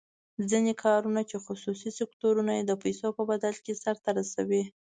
ځینې کارونه چې خصوصي سکتور یې د پیسو په بدل کې سر ته رسوي.